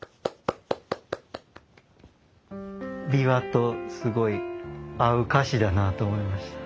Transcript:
琵琶とすごい合う歌詞だなと思いました。